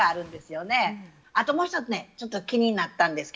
あともう一つねちょっと気になったんですけどね